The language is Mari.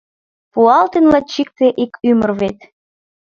Пуалтын лач икте, ик ӱмыр вет.